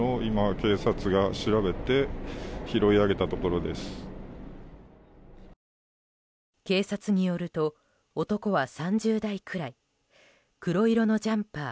警察によると男は３０代くらい黒色のジャンパー